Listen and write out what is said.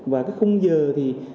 và cái khung giờ thì